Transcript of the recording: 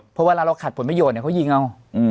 เพราะเวลาเราขัดผลประโยชน์เขายิงเอา